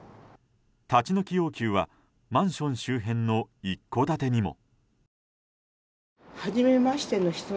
立ち退き要求はマンション周辺の一戸建てにも。